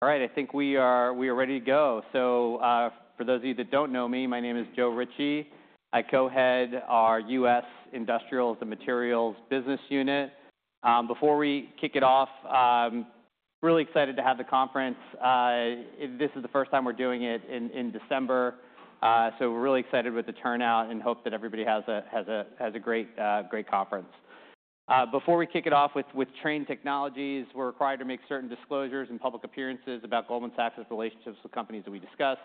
All right, I think we are ready to go. So for those of you that don't know me, my name is Joe Ritchie. I co-head our U.S. Industrials and Materials Business Unit. Before we kick it off, really excited to have the conference. This is the first time we're doing it in December, so we're really excited with the turnout and hope that everybody has a great conference. Before we kick it off with Trane Technologies, we're required to make certain disclosures and public appearances about Goldman Sachs' relationships with companies that we discuss.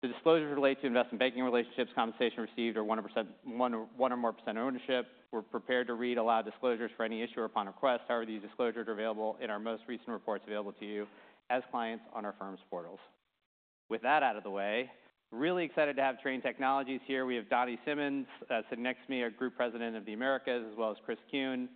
The disclosures relate to investment banking relationships, compensation received, or 1% or more % ownership. We're prepared to read aloud disclosures for any issuer or upon request. However, these disclosures are available in our most recent reports available to you as clients on our firm's portals. With that out of the way, really excited to have Trane Technologies here. We have Donny Simmons sitting next to me, our Group President of the Americas, as well as Chris Kuehn,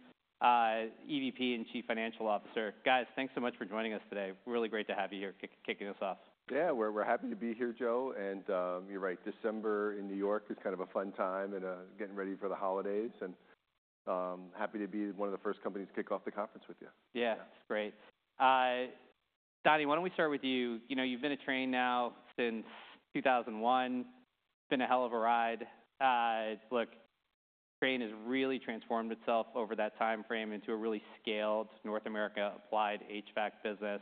EVP and Chief Financial Officer. Guys, thanks so much for joining us today. Really great to have you here kicking us off. Yeah, we're happy to be here, Joe. And you're right, December in New York is kind of a fun time, and getting ready for the holidays. And happy to be one of the first companies to kick off the conference with you. Yeah, great. Donny, why don't we start with you? You've been at Trane now since 2001. It's been a hell of a ride. Look, Trane has really transformed itself over that time frame into a really scaled North America applied HVAC business.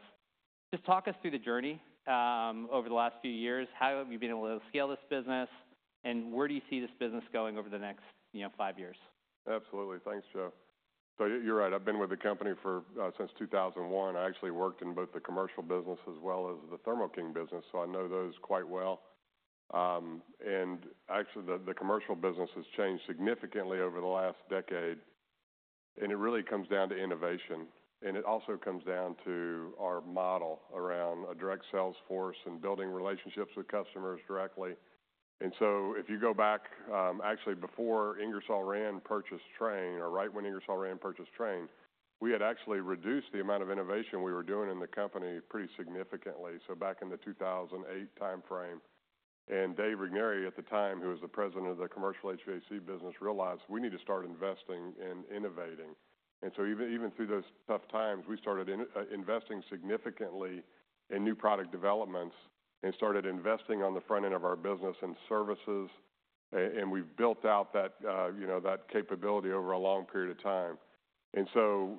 Just talk us through the journey over the last few years. How have you been able to scale this business? And where do you see this business going over the next five years? Absolutely. Thanks, Joe. So you're right, I've been with the company since 2001. I actually worked in both the commercial business as well as the Thermo King business, so I know those quite well, and actually, the commercial business has changed significantly over the last decade, and it really comes down to innovation, and it also comes down to our model around a direct sales force and building relationships with customers directly, and so if you go back, actually, before Ingersoll Rand purchased Trane, or right when Ingersoll Rand purchased Trane, we had actually reduced the amount of innovation we were doing in the company pretty significantly, so back in the 2008 time frame, and Dave Regnery at the time, who was the president of the commercial HVAC business, realized we need to start investing and innovating. And so even through those tough times, we started investing significantly in new product developments and started investing on the front end of our business and services. And we've built out that capability over a long period of time. And so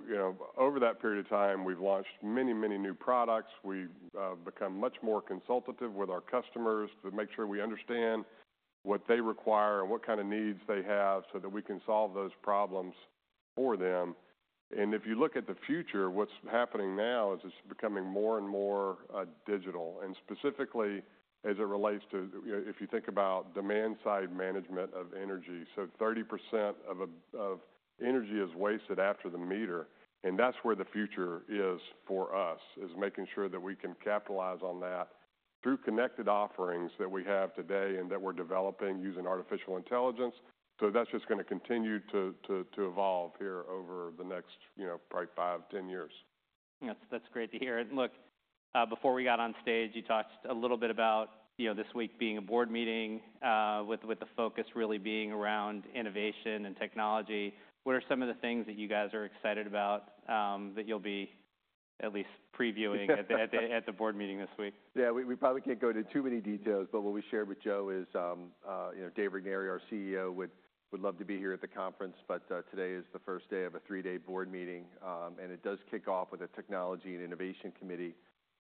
over that period of time, we've launched many, many new products. We've become much more consultative with our customers to make sure we understand what they require and what kind of needs they have so that we can solve those problems for them. And if you look at the future, what's happening now is it's becoming more and more digital. And specifically, as it relates to if you think about demand side management of energy, so 30% of energy is wasted after the meter. And that's where the future is for us, is making sure that we can capitalize on that through connected offerings that we have today and that we're developing using artificial intelligence. So that's just going to continue to evolve here over the next probably five, 10 years. That's great to hear. And look, before we got on stage, you talked a little bit about this week being a board meeting with the focus really being around innovation and technology. What are some of the things that you guys are excited about that you'll be at least previewing at the board meeting this week? Yeah, we probably can't go into too many details, but what we shared with Joe is Dave Regnery, our CEO, would love to be here at the conference, but today is the first day of a three-day board meeting, and it does kick off with a technology and innovation committee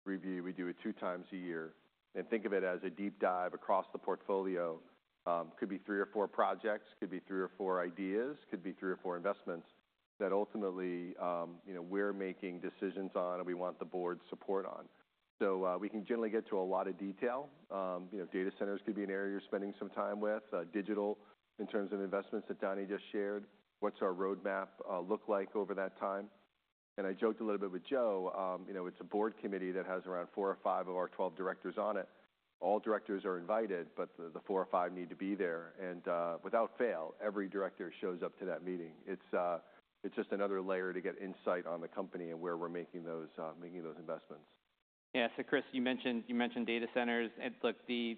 review. We do it two times a year, and think of it as a deep dive across the portfolio. It could be three or four projects, could be three or four ideas, could be three or four investments that ultimately we're making decisions on and we want the board support on, so we can generally get to a lot of detail. Data centers could be an area you're spending some time with. Digital, in terms of investments that Donny just shared, what's our roadmap look like over that time, and I joked a little bit with Joe. It's a board committee that has around four or five of our 12 directors on it. All directors are invited, but the four or five need to be there. And without fail, every director shows up to that meeting. It's just another layer to get insight on the company and where we're making those investments. Yeah. So Chris, you mentioned data centers. Look, the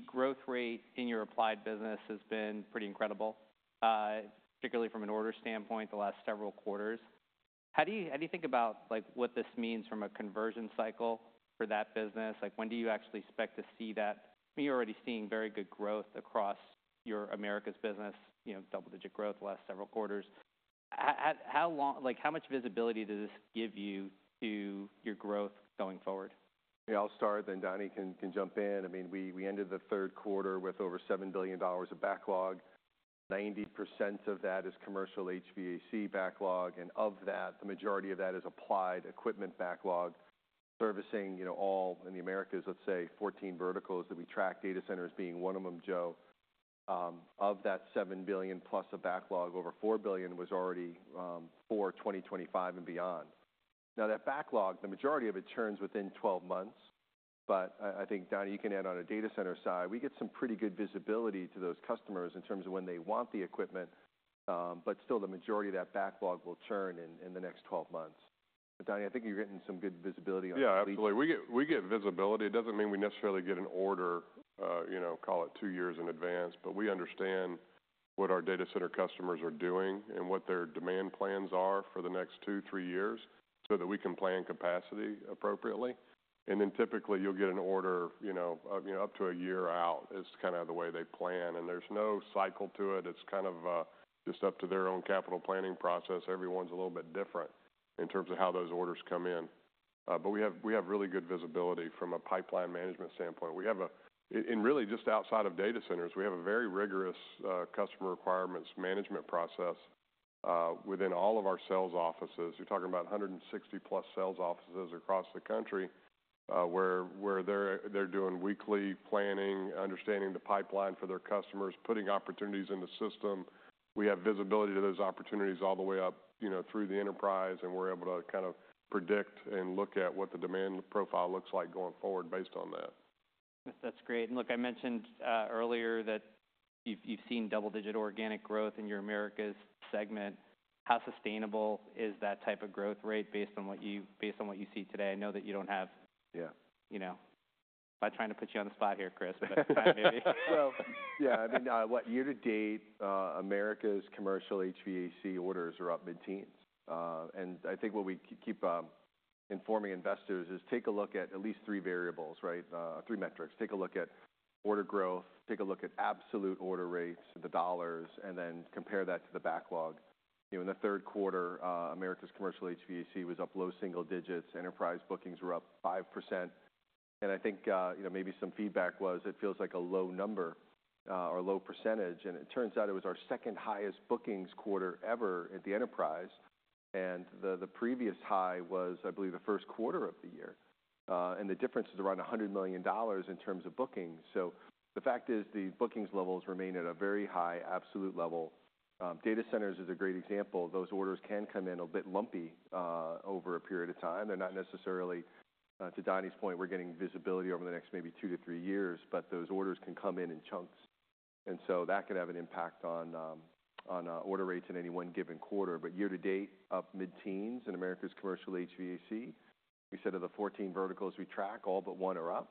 growth rate in your applied business has been pretty incredible, particularly from an order standpoint the last several quarters. How do you think about what this means from a conversion cycle for that business? When do you actually expect to see that? You're already seeing very good growth across your Americas business, double-digit growth the last several quarters. How much visibility does this give you to your growth going forward? I'll start, then Donny can jump in. I mean, we ended the third quarter with over $7 billion of backlog. 90% of that is commercial HVAC backlog, and of that, the majority of that is applied equipment backlog, servicing all in the Americas, let's say, 14 verticals that we track data centers being one of them, Joe. Of that $7 billion plus of backlog, over $4 billion was already for 2025 and beyond. Now, that backlog, the majority of it churns within 12 months. But I think, Donny, you can add on a data center side, we get some pretty good visibility to those customers in terms of when they want the equipment, but still the majority of that backlog will churn in the next 12 months. But Donny, I think you're getting some good visibility on that. Yeah, absolutely. We get visibility. It doesn't mean we necessarily get an order, call it two years in advance, but we understand what our data center customers are doing and what their demand plans are for the next two, three years so that we can plan capacity appropriately. And then typically, you'll get an order up to a year out is kind of the way they plan. And there's no cycle to it. It's kind of just up to their own capital planning process. Everyone's a little bit different in terms of how those orders come in. But we have really good visibility from a pipeline management standpoint. And really, just outside of data centers, we have a very rigorous customer requirements management process within all of our sales offices. You're talking about 160-plus sales offices across the country where they're doing weekly planning, understanding the pipeline for their customers, putting opportunities in the system. We have visibility to those opportunities all the way up through the enterprise, and we're able to kind of predict and look at what the demand profile looks like going forward based on that. That's great. And look, I mentioned earlier that you've seen double-digit organic growth in your Americas segment. How sustainable is that type of growth rate based on what you see today? I know that you don't have. Yeah. I'm not trying to put you on the spot here, Chris, but it's fine with me. Yeah. I mean, what, year to date, Americas commercial HVAC orders are up mid-teens. I think what we keep informing investors is take a look at at least three variables, right, three metrics. Take a look at order growth, take a look at absolute order rates, the dollars, and then compare that to the backlog. In the third quarter, Americas commercial HVAC was up low single digits. Enterprise bookings were up 5%. I think maybe some feedback was it feels like a low number or low percentage. It turns out it was our second highest bookings quarter ever at the enterprise. The previous high was, I believe, the first quarter of the year. The difference is around $100 million in terms of bookings. The fact is the bookings levels remain at a very high absolute level. Data centers is a great example. Those orders can come in a bit lumpy over a period of time. They're not necessarily, to Donny's point, we're getting visibility over the next maybe two to three years, but those orders can come in in chunks. And so that can have an impact on order rates in any one given quarter. But year to date, up mid-teens in Americas commercial HVAC. Like I said, of the 14 verticals we track, all but one are up.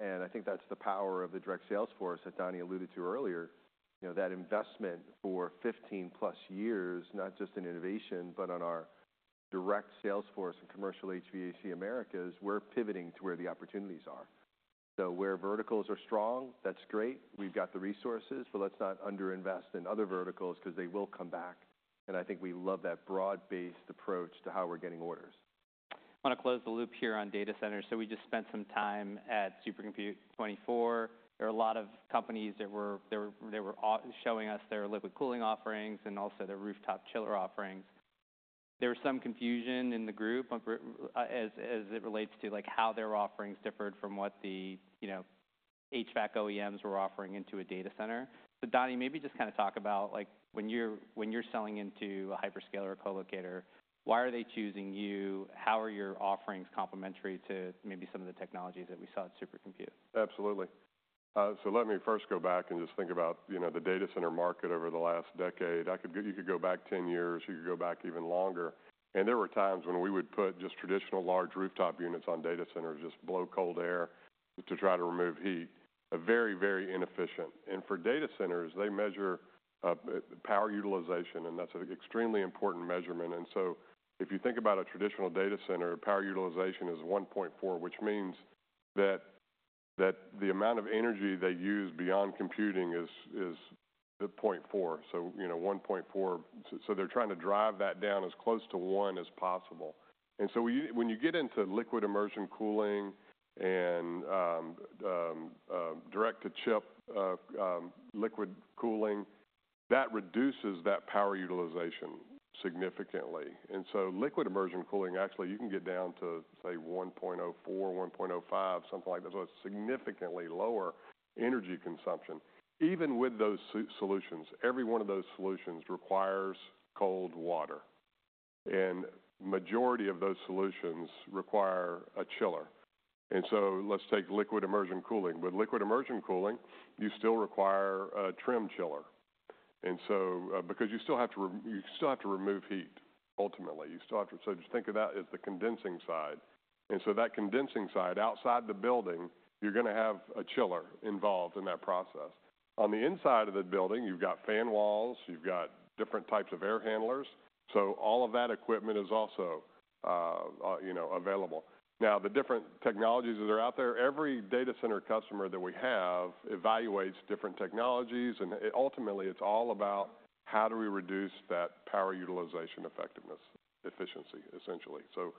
And I think that's the power of the direct sales force that Donny alluded to earlier, that investment for 15-plus years, not just in innovation, but on our direct sales force and commercial HVAC Americas, we're pivoting to where the opportunities are. So where verticals are strong, that's great. We've got the resources, but let's not underinvest in other verticals because they will come back. I think we love that broad-based approach to how we're getting orders. I want to close the loop here on data centers. So we just spent some time at Supercomputing 24. There are a lot of companies that were showing us their liquid cooling offerings and also their rooftop chiller offerings. There was some confusion in the group as it relates to how their offerings differed from what the HVAC OEMs were offering into a data center. So Donny, maybe just kind of talk about when you're selling into a hyperscaler or colocator, why are they choosing you? How are your offerings complementary to maybe some of the technologies that we saw at Supercomputing 24? Absolutely, so let me first go back and just think about the data center market over the last decade. You could go back 10 years. You could go back even longer, and there were times when we would put just traditional large rooftop units on data centers, just blow cold air to try to remove heat. Very, very inefficient, and for data centers, they measure power utilization, and that's an extremely important measurement, and so if you think about a traditional data center, power utilization is 1.4, which means that the amount of energy they use beyond computing is 0.4. So 1.4. They're trying to drive that down as close to 1 as possible, and so when you get into liquid immersion cooling and direct-to-chip liquid cooling, that reduces that power utilization significantly. And so, liquid immersion cooling, actually, you can get down to, say, 1.04, 1.05, something like that. So it's significantly lower energy consumption. Even with those solutions, every one of those solutions requires cold water. And the majority of those solutions require a chiller. And so let's take liquid immersion cooling. With liquid immersion cooling, you still require a trim chiller. And so because you still have to remove heat, ultimately, you still have to, so just think of that as the condensing side. And so that condensing side, outside the building, you're going to have a chiller involved in that process. On the inside of the building, you've got fan walls. You've got different types of air handlers. So all of that equipment is also available. Now, the different technologies that are out there, every data center customer that we have evaluates different technologies. And ultimately, it's all about how do we reduce that power utilization effectiveness, efficiency, essentially. So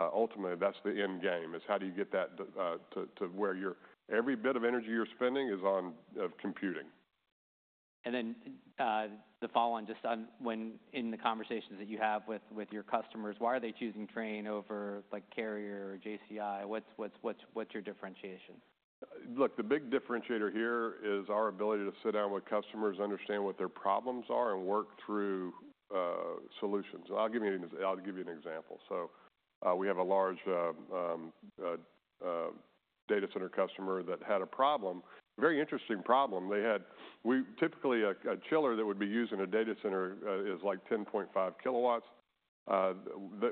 ultimately, that's the end game is how do you get that to where every bit of energy you're spending is on computing. And then the follow-on, just in the conversations that you have with your customers, why are they choosing Trane over Carrier or JCI? What's your differentiation? Look, the big differentiator here is our ability to sit down with customers, understand what their problems are, and work through solutions, and I'll give you an example, so we have a large data center customer that had a problem, very interesting problem. They had typically a chiller that would be used in a data center is like 10.5 kilowatts.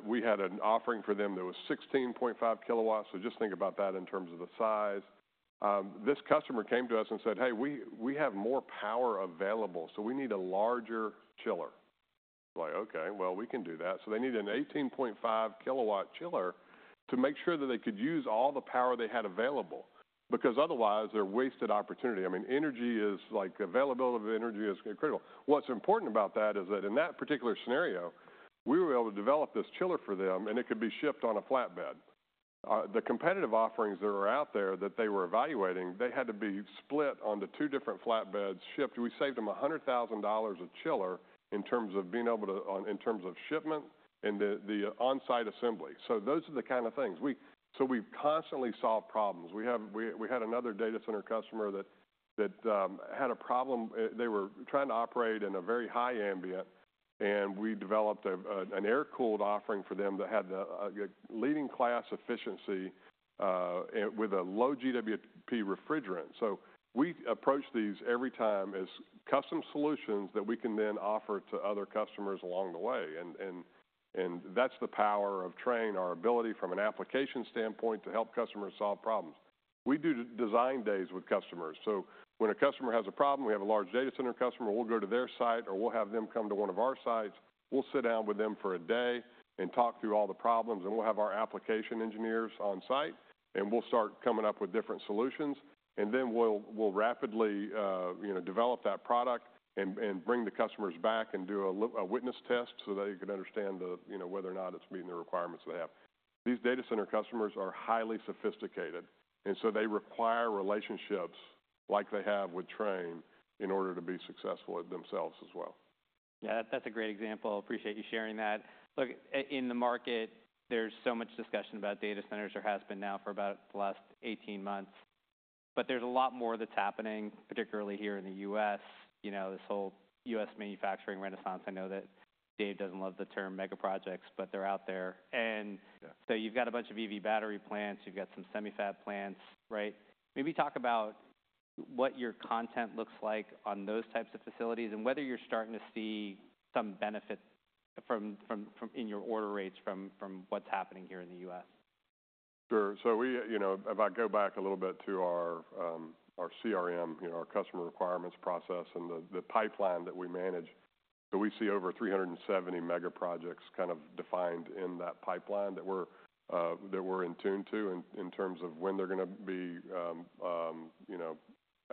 We had an offering for them that was 16.5 kilowatts, so just think about that in terms of the size. This customer came to us and said, "Hey, we have more power available, so we need a larger chiller." It was like, "Okay, well, we can do that," so they need an 18.5 kilowatt chiller to make sure that they could use all the power they had available because otherwise, they're wasted opportunity. I mean, energy is like availability of energy is critical. What's important about that is that in that particular scenario, we were able to develop this chiller for them, and it could be shipped on a flatbed. The competitive offerings that were out there that they were evaluating, they had to be split onto two different flatbeds, shipped. We saved them $100,000 a chiller in terms of shipment and the on-site assembly. So those are the kind of things, so we constantly solve problems. We had another data center customer that had a problem. They were trying to operate in a very high ambient, and we developed an air-cooled offering for them that had a leading-class efficiency with a low GWP refrigerant. So we approach these every time as custom solutions that we can then offer to other customers along the way. That's the power of Trane, our ability from an application standpoint to help customers solve problems. We do design days with customers. When a customer has a problem, we have a large data center customer. We'll go to their site, or we'll have them come to one of our sites. We'll sit down with them for a day and talk through all the problems. We'll have our application engineers on site. We'll start coming up with different solutions. We'll rapidly develop that product and bring the customers back and do a witness test so they can understand whether or not it's meeting the requirements they have. These data center customers are highly sophisticated. They require relationships like they have with Trane in order to be successful themselves as well. Yeah, that's a great example. I appreciate you sharing that. Look, in the market, there's so much discussion about data centers. There has been now for about the last 18 months. But there's a lot more that's happening, particularly here in the U.S., this whole U.S. manufacturing renaissance. I know that Dave doesn't love the term megaprojects, but they're out there. And so you've got a bunch of EV battery plants. You've got some semi-fab plants, right? Maybe talk about what your content looks like on those types of facilities and whether you're starting to see some benefit in your order rates from what's happening here in the U.S. Sure. So if I go back a little bit to our CRM, our customer requirements process and the pipeline that we manage, we see over 370 megaprojects kind of defined in that pipeline that we're in tune to in terms of when they're going to be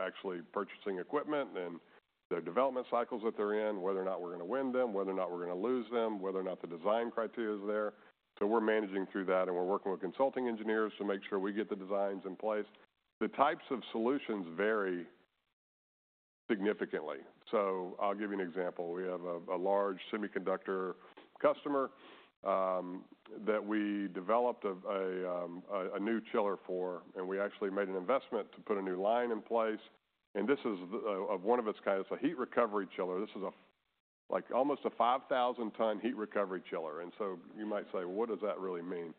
actually purchasing equipment and the development cycles that they're in, whether or not we're going to win them, whether or not we're going to lose them, whether or not the design criteria is there. So we're managing through that, and we're working with consulting engineers to make sure we get the designs in place. The types of solutions vary significantly. So I'll give you an example. We have a large semiconductor customer that we developed a new chiller for, and we actually made an investment to put a new line in place. And this is one of a kind. It's a heat recovery chiller. This is almost a 5,000-ton heat recovery chiller. And so you might say, "What does that really mean?"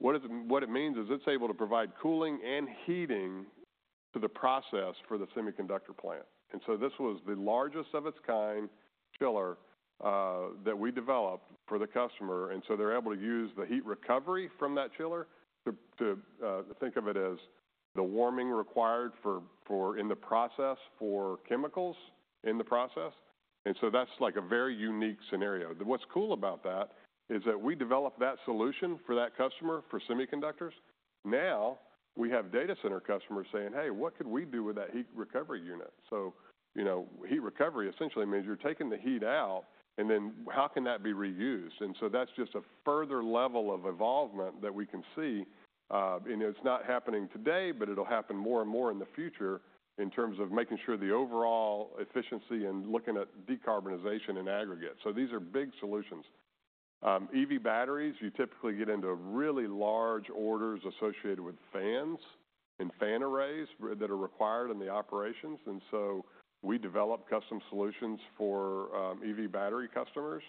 What it means is it's able to provide cooling and heating to the process for the semiconductor plant. And so this was the largest of its kind chiller that we developed for the customer. And so they're able to use the heat recovery from that chiller to think of it as the warming required in the process for chemicals in the process. And so that's like a very unique scenario. What's cool about that is that we developed that solution for that customer for semiconductors. Now we have data center customers saying, "Hey, what could we do with that heat recovery unit?" So heat recovery essentially means you're taking the heat out, and then how can that be reused? And so that's just a further level of evolution that we can see. And it's not happening today, but it'll happen more and more in the future in terms of making sure the overall efficiency and looking at decarbonization in aggregate. So these are big solutions. EV batteries, you typically get into really large orders associated with fans and fan arrays that are required in the operations. And so we develop custom solutions for EV battery customers.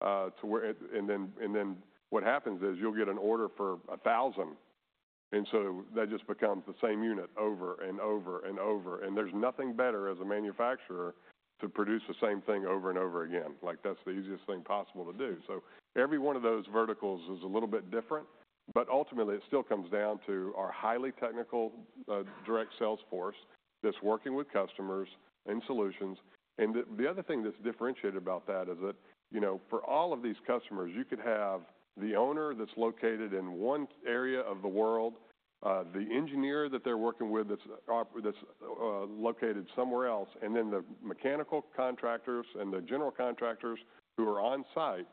And then what happens is you'll get an order for 1,000. And so that just becomes the same unit over and over and over. And there's nothing better as a manufacturer to produce the same thing over and over again. That's the easiest thing possible to do. So every one of those verticals is a little bit different. But ultimately, it still comes down to our highly technical direct sales force that's working with customers and solutions. And the other thing that's differentiated about that is that for all of these customers, you could have the owner that's located in one area of the world, the engineer that they're working with that's located somewhere else, and then the mechanical contractors and the general contractors who are on site.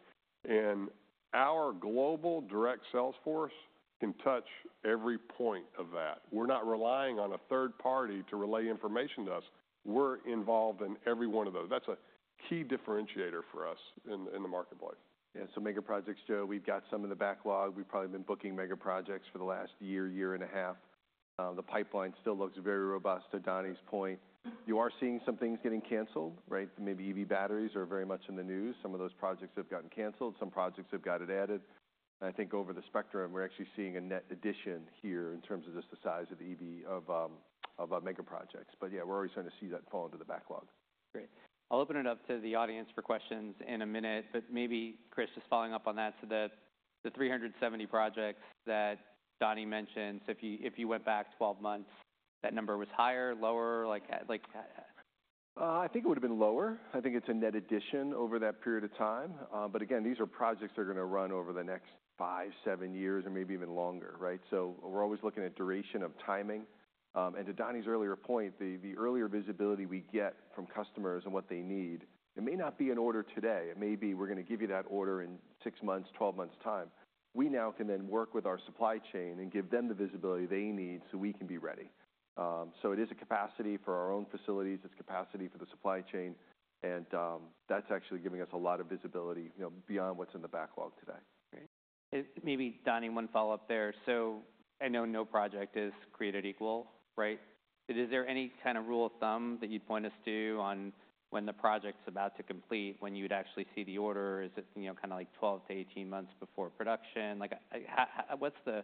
And our global direct sales force can touch every point of that. We're not relying on a third party to relay information to us. We're involved in every one of those. That's a key differentiator for us in the marketplace. Yeah. So megaprojects, Joe, we've got some of the backlog. We've probably been booking megaprojects for the last year, year and a half. The pipeline still looks very robust to Donny's point. You are seeing some things getting canceled, right? Maybe EV batteries are very much in the news. Some of those projects have gotten canceled. Some projects have got it added. And I think over the spectrum, we're actually seeing a net addition here in terms of just the size of EV of megaprojects. But yeah, we're always trying to see that fall into the backlog. Great. I'll open it up to the audience for questions in a minute. But maybe, Chris, just following up on that, so the 370 projects that Donny mentioned, so if you went back 12 months, that number was higher, lower? I think it would have been lower. I think it's a net addition over that period of time, but again, these are projects that are going to run over the next five, seven years, or maybe even longer, right? So we're always looking at duration of timing, and to Donny's earlier point, the earlier visibility we get from customers and what they need, it may not be an order today. It may be we're going to give you that order in six months, 12 months' time. We now can then work with our supply chain and give them the visibility they need so we can be ready, so it is a capacity for our own facilities. It's capacity for the supply chain, and that's actually giving us a lot of visibility beyond what's in the backlog today. Great. Maybe Donny, one follow-up there. So I know no project is created equal, right? Is there any kind of rule of thumb that you'd point us to on when the project's about to complete, when you'd actually see the order? Is it kind of like 12-18 months before production? What's the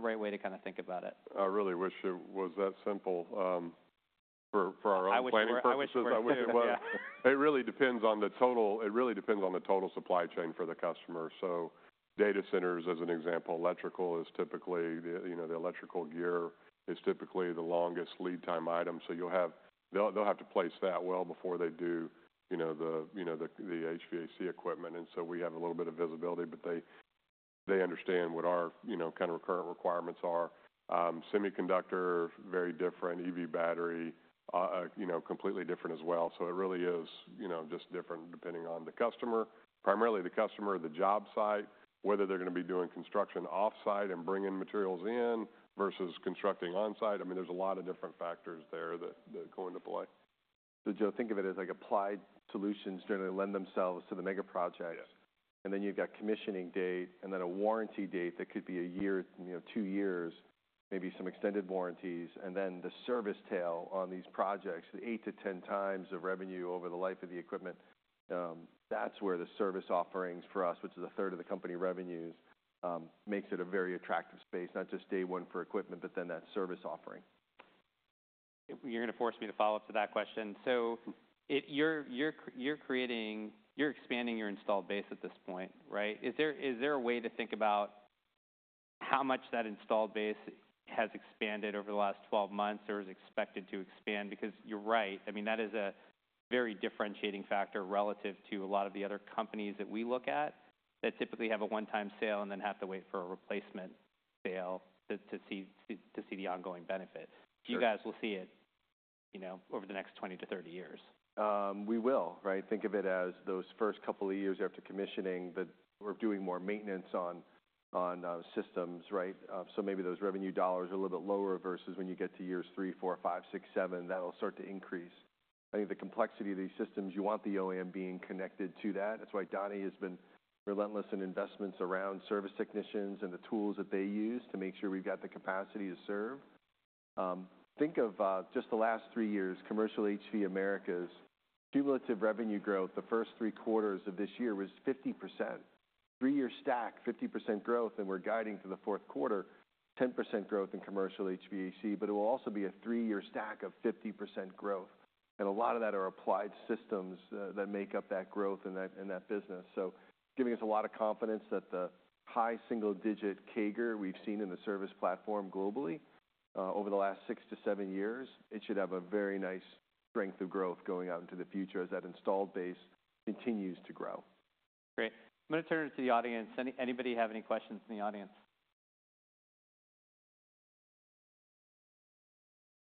right way to kind of think about it? I really wish it was that simple for our own planning. I wish it was. It really depends on the total supply chain for the customer. So data centers, as an example, electrical gear is typically the longest lead time item. So they'll have to place that well before they do the HVAC equipment, and so we have a little bit of visibility, but they understand what our kind of current requirements are. Semiconductor, very different. EV battery, completely different as well. So it really is just different depending on the customer, primarily the customer, the job site, whether they're going to be doing construction offsite and bringing materials in versus constructing onsite. I mean, there's a lot of different factors there that go into play. So Joe, think of it as applied systems generally lend themselves to the megaprojects. And then you've got commissioning date and then a warranty date that could be a year, two years, maybe some extended warranties. And then the service tail on these projects, the 8-10 times of revenue over the life of the equipment, that's where the service offerings for us, which is a third of the company revenues, makes it a very attractive space, not just day one for equipment, but then that service offering. You're going to force me to follow up to that question. So you're expanding your installed base at this point, right? Is there a way to think about how much that installed base has expanded over the last 12 months or is expected to expand? Because you're right. I mean, that is a very differentiating factor relative to a lot of the other companies that we look at that typically have a one-time sale and then have to wait for a replacement sale to see the ongoing benefit. You guys will see it over the next 20 to 30 years. We will, right? Think of it as those first couple of years after commissioning that we're doing more maintenance on systems, right? So maybe those revenue dollars are a little bit lower versus when you get to years three, four, five, six, seven, that'll start to increase. I think the complexity of these systems, you want the OEM being connected to that. That's why Donny has been relentless in investments around service technicians and the tools that they use to make sure we've got the capacity to serve. Think of just the last three years, commercial HVAC Americas' cumulative revenue growth the first three quarters of this year was 50%. Three-year stack, 50% growth, and we're guiding to the fourth quarter, 10% growth in commercial HVAC, but it will also be a three-year stack of 50% growth. And a lot of that are applied systems that make up that growth in that business. So giving us a lot of confidence that the high single-digit CAGR we've seen in the service platform globally over the last six to seven years, it should have a very nice strength of growth going out into the future as that installed base continues to grow. Great. I'm going to turn it to the audience. Anybody have any questions in the audience?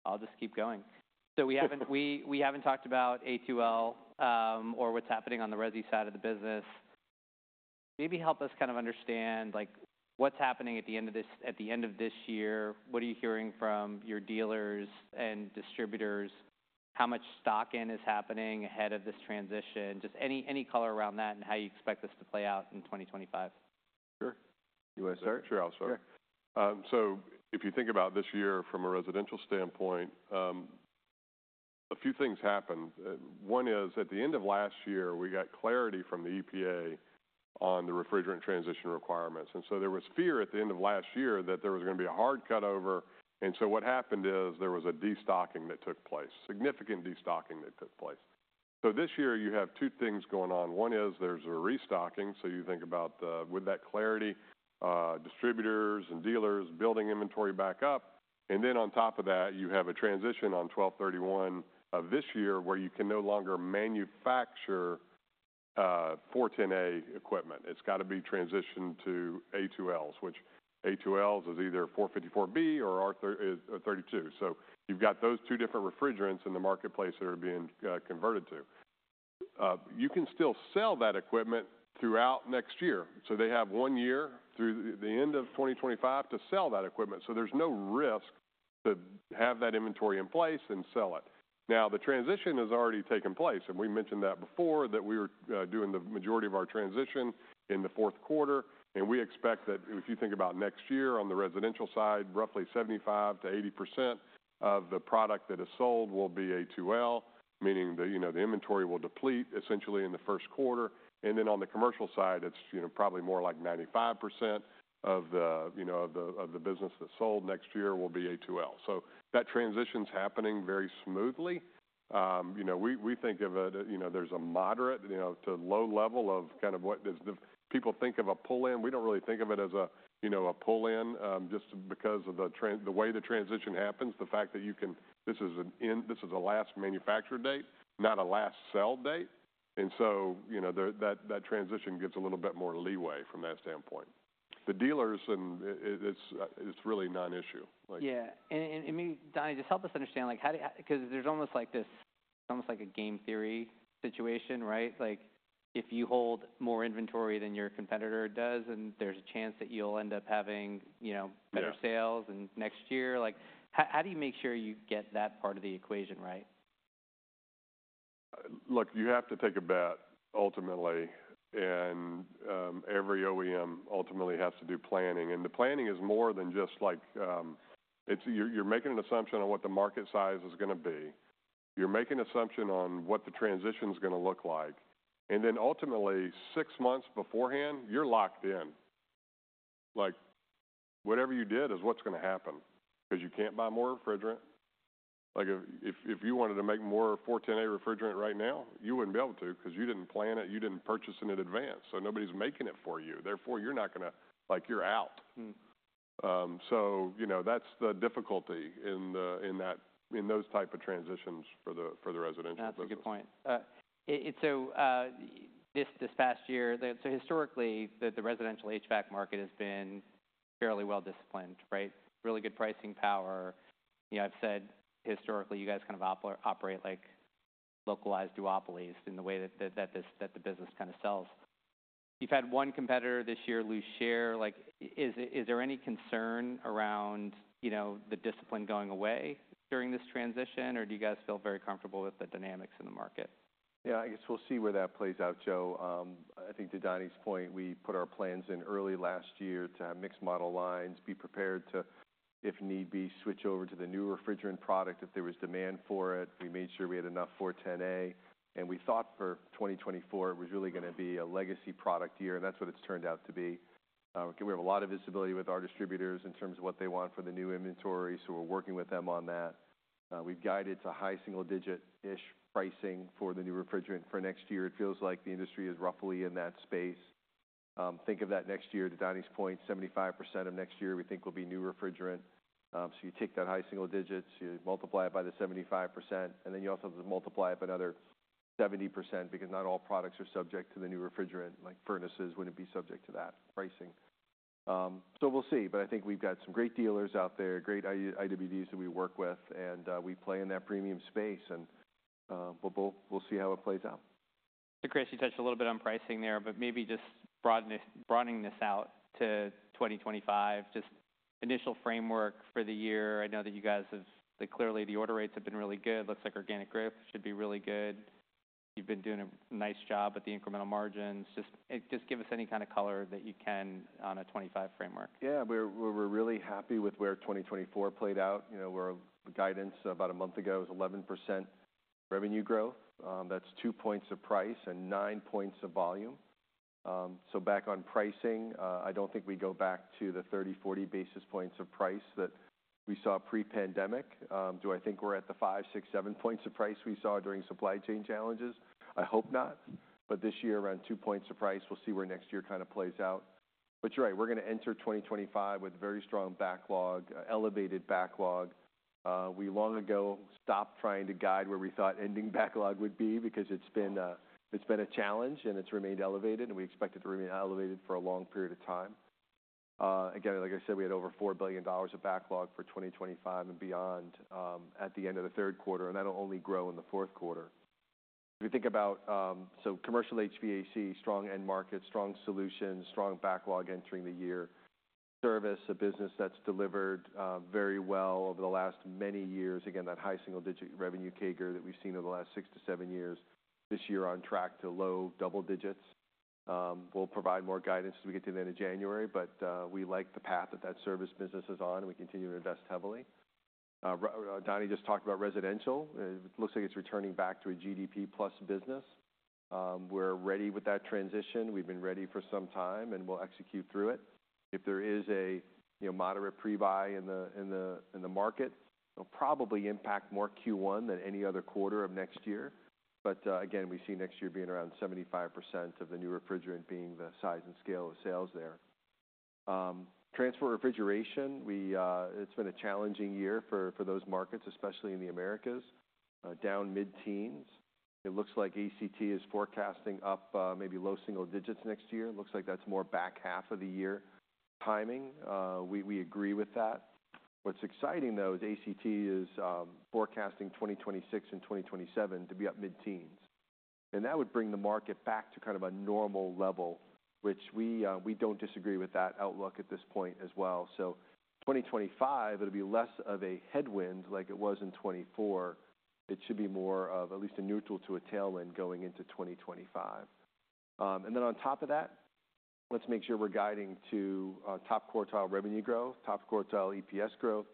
I'll just keep going. So we haven't talked about A2L or what's happening on the resi side of the business. Maybe help us kind of understand what's happening at the end of this year. What are you hearing from your dealers and distributors? How much stocking is happening ahead of this transition? Just any color around that and how you expect this to play out in 2025. Sure. You want to start? Sure, I'll start. So if you think about this year from a residential standpoint, a few things happened. One is at the end of last year, we got clarity from the EPA on the refrigerant transition requirements. And so there was fear at the end of last year that there was going to be a hard cutover. And so what happened is there was a destocking that took place, significant destocking that took place. So this year, you have two things going on. One is there's a restocking. So you think about with that clarity, distributors and dealers building inventory back up. And then on top of that, you have a transition on 12/31 of this year where you can no longer manufacture 410A equipment. It's got to be transitioned to A2Ls, which A2Ls is either 454B or 32. So you've got those two different refrigerants in the marketplace that are being converted to. You can still sell that equipment throughout next year. So they have one year through the end of 2025 to sell that equipment. So there's no risk to have that inventory in place and sell it. Now, the transition has already taken place, and we mentioned that before that we were doing the majority of our transition in the fourth quarter. And we expect that if you think about next year on the residential side, roughly 75%-80% of the product that is sold will be A2L, meaning the inventory will deplete essentially in the first quarter. And then on the commercial side, it's probably more like 95% of the business that's sold next year will be A2L, so that transition's happening very smoothly. We think of it as there's a moderate to low level of kind of what people think of a pull-in. We don't really think of it as a pull-in just because of the way the transition happens, the fact that you can, this is a last manufacturer date, not a last sell date. And so that transition gets a little bit more leeway from that standpoint. The dealers, it's really non-issue. Yeah. And maybe, Donny, just help us understand because there's almost like a game theory situation, right? If you hold more inventory than your competitor does, then there's a chance that you'll end up having better sales next year. How do you make sure you get that part of the equation right? Look, you have to take a bet ultimately. And every OEM ultimately has to do planning. And the planning is more than just like you're making an assumption on what the market size is going to be. You're making an assumption on what the transition's going to look like. And then ultimately, six months beforehand, you're locked in. Whatever you did is what's going to happen because you can't buy more refrigerant. If you wanted to make more R-410A refrigerant right now, you wouldn't be able to because you didn't plan it. You didn't purchase it in advance. So nobody's making it for you. Therefore, you're not going to, like, you're out. So that's the difficulty in those types of transitions for the residential. That's a good point. So this past year, so historically, the residential HVAC market has been fairly well disciplined, right? Really good pricing power. I've said historically, you guys kind of operate like localized duopolies in the way that the business kind of sells. You've had one competitor this year lose share. Is there any concern around the discipline going away during this transition, or do you guys feel very comfortable with the dynamics in the market? Yeah, I guess we'll see where that plays out, Joe. I think to Donny's point, we put our plans in early last year to have mixed model lines, be prepared to, if need be, switch over to the new refrigerant product if there was demand for it. We made sure we had enough R-410A. We thought for 2024, it was really going to be a legacy product year. That's what it's turned out to be. We have a lot of visibility with our distributors in terms of what they want for the new inventory. So we're working with them on that. We've guided to high single-digit-ish pricing for the new refrigerant for next year. It feels like the industry is roughly in that space. Think of that next year, to Donny's point, 75% of next year, we think will be new refrigerant. So, you take that high single digits, you multiply it by the 75%, and then you also have to multiply it by another 70% because not all products are subject to the new refrigerant. Like, furnaces wouldn't be subject to that pricing. So we'll see. But I think we've got some great dealers out there, great IWDs that we work with. And we play in that premium space. But we'll see how it plays out. So, Chris, you touched a little bit on pricing there, but maybe just broadening this out to 2025, just initial framework for the year. I know that you guys have clearly the order rates have been really good. Looks like organic growth should be really good. You've been doing a nice job at the incremental margins. Just give us any kind of color that you can on a 25 framework. Yeah, we're really happy with where 2024 played out. Our guidance about a month ago was 11% revenue growth. That's two points of price and nine points of volume. So back on pricing, I don't think we go back to the 30, 40 basis points of price that we saw pre-pandemic. Do I think we're at the five, six, seven points of price we saw during supply chain challenges? I hope not. But this year, around two points of price, we'll see where next year kind of plays out. But you're right, we're going to enter 2025 with very strong backlog, elevated backlog. We long ago stopped trying to guide where we thought ending backlog would be because it's been a challenge and it's remained elevated. And we expect it to remain elevated for a long period of time. Again, like I said, we had over $4 billion of backlog for 2025 and beyond at the end of the third quarter, and that'll only grow in the fourth quarter. If you think about, so commercial HVAC, strong end market, strong solutions, strong backlog entering the year, service, a business that's delivered very well over the last many years. Again, that high single-digit revenue CAGR that we've seen over the last six to seven years, this year on track to low double digits. We'll provide more guidance as we get to the end of January, but we like the path that that service business is on. We continue to invest heavily. Donny just talked about residential. It looks like it's returning back to a GDP plus business. We're ready with that transition. We've been ready for some time and we'll execute through it. If there is a moderate pre-buy in the market, it'll probably impact more Q1 than any other quarter of next year, but again, we see next year being around 75% of the new refrigerant being the size and scale of sales there. Transport refrigeration, it's been a challenging year for those markets, especially in the Americas. Down mid-teens. It looks like ACT is forecasting up maybe low single digits next year. It looks like that's more back half of the year. Timing. We agree with that. What's exciting, though, is ACT is forecasting 2026 and 2027 to be up mid-teens, and that would bring the market back to kind of a normal level, which we don't disagree with that outlook at this point as well, so 2025, it'll be less of a headwind like it was in 2024. It should be more of at least a neutral to a tailwind going into 2025, and then on top of that, let's make sure we're guiding to top quartile revenue growth, top quartile EPS growth,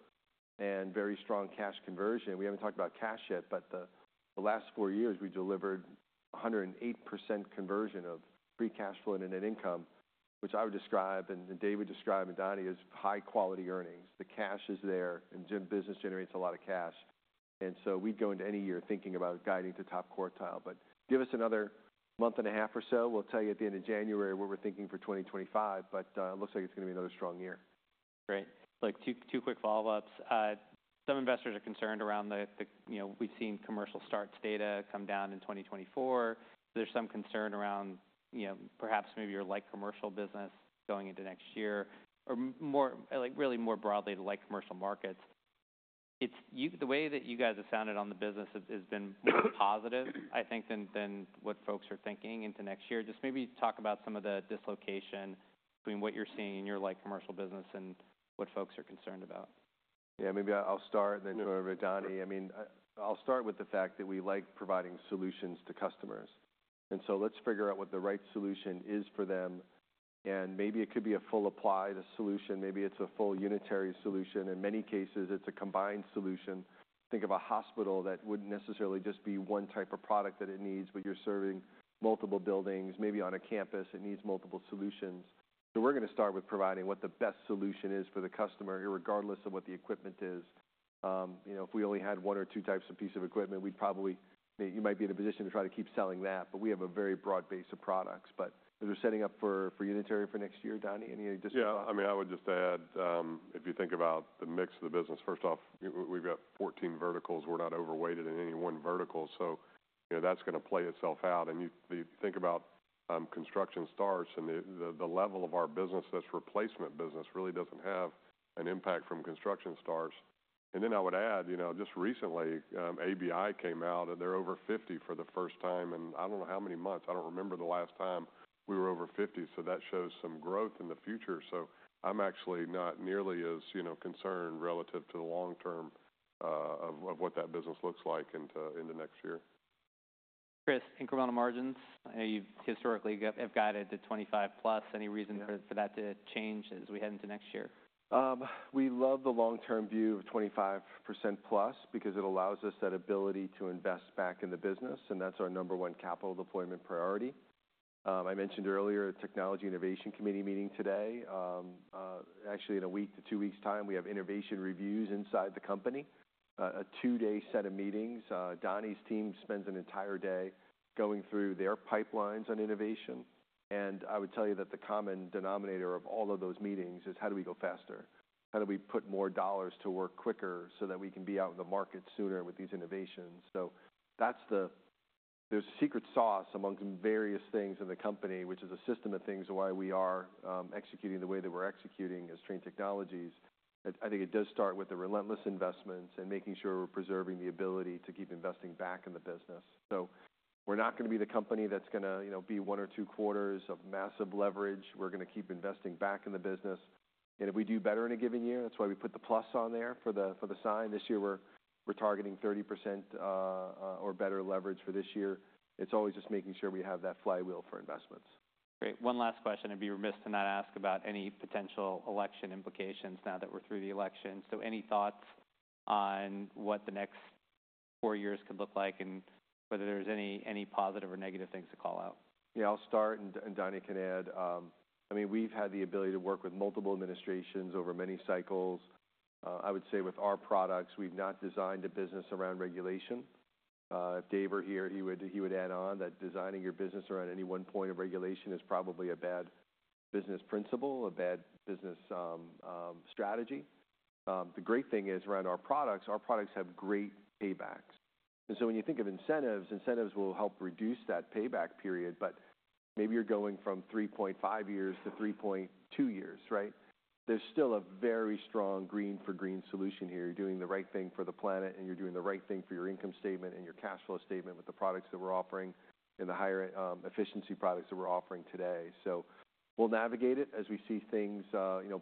and very strong cash conversion. We haven't talked about cash yet, but the last four years, we delivered 108% conversion of free cash flow and net income, which I would describe, and Dave would describe, and Donny, it's high-quality earnings. The cash is there, and business generates a lot of cash, and so we'd go into any year thinking about guiding to top quartile, but give us another month and a half or so. We'll tell you at the end of January what we're thinking for 2025, but it looks like it's going to be another strong year. Great. Two quick follow-ups. Some investors are concerned around that we've seen commercial starts data come down in 2024. There's some concern around perhaps maybe your, light commercial business going into next year or really more broadly to, light commercial markets. The way that you guys have sounded on the business has been more positive, I think, than what folks are thinking into next year. Just maybe talk about some of the dislocation between what you're seeing in your, light commercial business and what folks are concerned about. Yeah, maybe I'll start and then turn over to Donny. I mean, I'll start with the fact that we like providing solutions to customers. And so let's figure out what the right solution is for them. And maybe it could be a full applied solution. Maybe it's a full unitary solution. In many cases, it's a combined solution. Think of a hospital that wouldn't necessarily just be one type of product that it needs, but you're serving multiple buildings. Maybe on a campus, it needs multiple solutions. So we're going to start with providing what the best solution is for the customer, regardless of what the equipment is. If we only had one or two types of pieces of equipment, we'd probably you might be in a position to try to keep selling that. But we have a very broad base of products. But as we're setting up for unitary for next year, Donny, any additional? Yeah. I mean, I would just add, if you think about the mix of the business, first off, we've got 14 verticals. We're not overweighted in any one vertical. So that's going to play itself out. And if you think about construction starts and the level of our business, that's replacement business really doesn't have an impact from construction starts. And then I would add, just recently, ABI came out, and they're over 50 for the first time. And I don't know how many months. I don't remember the last time we were over 50. So that shows some growth in the future. So I'm actually not nearly as concerned relative to the long term of what that business looks like into next year. Chris, incremental margins. I know you've historically guided to 25 plus. Any reason for that to change as we head into next year? We love the long-term view of 25% plus because it allows us that ability to invest back in the business. And that's our number one capital deployment priority. I mentioned earlier a technology innovation committee meeting today. Actually, in a week to two weeks' time, we have innovation reviews inside the company, a two-day set of meetings. Donny's team spends an entire day going through their pipelines on innovation. And I would tell you that the common denominator of all of those meetings is how do we go faster? How do we put more dollars to work quicker so that we can be out in the market sooner with these innovations? So there's a secret sauce amongst various things in the company, which is a system of things why we are executing the way that we're executing as Trane Technologies. I think it does start with the relentless investments and making sure we're preserving the ability to keep investing back in the business. So we're not going to be the company that's going to be one or two quarters of massive leverage. We're going to keep investing back in the business. And if we do better in a given year, that's why we put the plus on there for the sign. This year, we're targeting 30% or better leverage for this year. It's always just making sure we have that flywheel for investments. Great. One last question. I'd be remiss to not ask about any potential election implications now that we're through the election. So any thoughts on what the next four years could look like and whether there's any positive or negative things to call out? Yeah, I'll start, and Donny can add. I mean, we've had the ability to work with multiple administrations over many cycles. I would say with our products, we've not designed a business around regulation. If Dave were here, he would add on that designing your business around any one point of regulation is probably a bad business principle, a bad business strategy. The great thing is around our products, our products have great paybacks, and so when you think of incentives, incentives will help reduce that payback period. But maybe you're going from 3.5 years to 3.2 years, right? There's still a very strong green for green solution here. You're doing the right thing for the planet, and you're doing the right thing for your income statement and your cash flow statement with the products that we're offering and the higher efficiency products that we're offering today. So we'll navigate it as we see things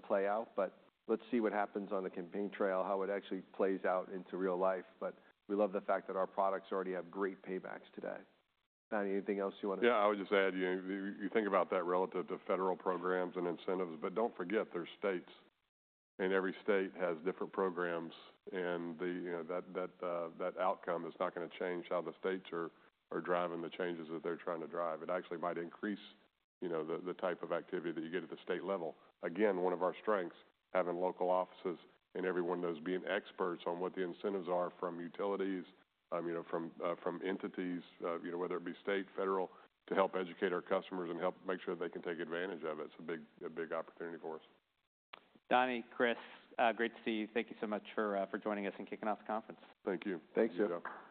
play out. But let's see what happens on the campaign trail, how it actually plays out into real life. But we love the fact that our products already have great paybacks today. Donny, anything else you want to? Yeah, I would just add, you think about that relative to federal programs and incentives, but don't forget there's states. And every state has different programs. And that outcome is not going to change how the states are driving the changes that they're trying to drive. It actually might increase the type of activity that you get at the state level. Again, one of our strengths is having local offices and every one of those being experts on what the incentives are from utilities, from entities, whether it be state, federal, to help educate our customers and help make sure that they can take advantage of it. It's a big opportunity for us. Donny, Chris, great to see you. Thank you so much for joining us and kicking off the conference. Thank you. Thanks, Joe.